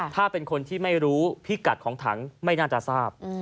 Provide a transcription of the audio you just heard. ถ้าเป็นคนที่ไม่รู้พิกัดของถังไม่น่าจะทราบ